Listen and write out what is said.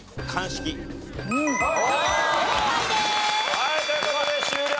はいという事で終了。